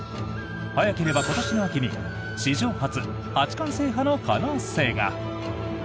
早ければ今年の秋に史上初、八冠制覇の可能性が。